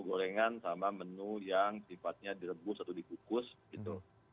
gorengan sama menu yang sifatnya direbus atau dikukus gitu